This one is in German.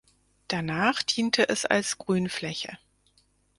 Danach diente es als Grünfläche.